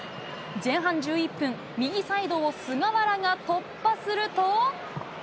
前半１１分、右サイドを菅原が突破すると。